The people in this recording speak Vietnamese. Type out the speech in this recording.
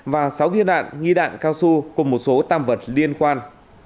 và sáu viên đạn nghi đạn cao su cùng một số tam vật liên quan